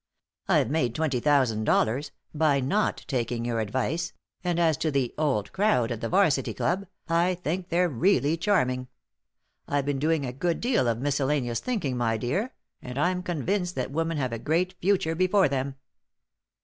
"I've made twenty thousand dollars by not taking your advice and as to the 'Old Crowd' at the 'Varsity Club, I think they're really charming. I've been doing a good deal of miscellaneous thinking, my dear, and I'm convinced that women have a great future before them."